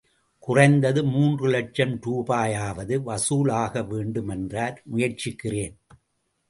குறைந்தது மூன்று லட்சம் ரூபாயாவது வசூல் ஆக வேண்டும் என்றார் முயற்சிக்கிறேன்.